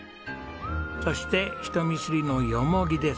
そして人見知りのよもぎです。